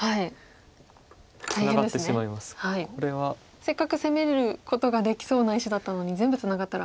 せっかく攻めることができそうな石だったのに全部ツナがったら。